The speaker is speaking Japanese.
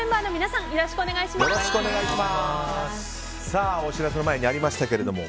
さあ、お知らせの前にありましたけども